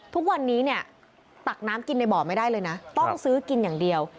ทุกวันนี้เนี่ยตักน้ำกินในบ่อไม่ได้เลยนะต้องซื้อกินอย่างเดียว